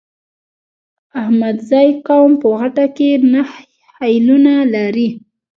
احمدزی قوم په غټه کې نهه خيلونه لري.